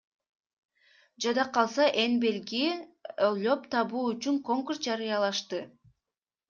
Жада калса эн белги ойлоп табуу үчүн конкурс жарыялашты.